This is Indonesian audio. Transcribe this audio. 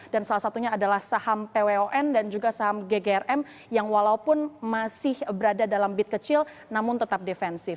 dan salah satunya adalah saham pwon dan juga saham ggrm yang walaupun masih berada dalam bid kecil namun tetap defensif